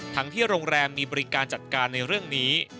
ที่โรงแรมมีบริการจัดการในเรื่องนี้